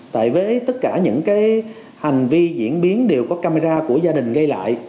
tại với tất cả những cái hành vi diễn biến đều có camera của gia đình gây lại